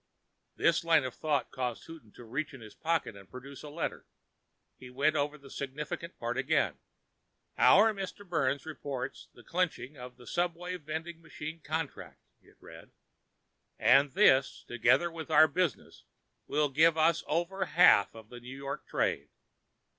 This line of thought caused Houghton to reach in his pocket and produce a letter. He went over the significant part again. "Our Mr. Byrnes reports the clinching of the subway vending machine contract," it read, "and this, together with our other business, will give us over half of the New York trade.